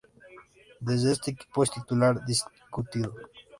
En este equipo es titular indiscutido.